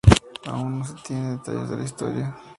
Aún no se tienen detalles de la historia.